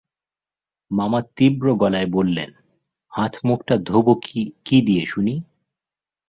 মামা তীব্র গলায় বললেন, হাত-মুখটা ধোব কী দিয়ে, শুনি?